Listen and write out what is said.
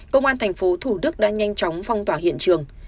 công an tp thủ đức đã nhanh chóng phong tỏa hiện trường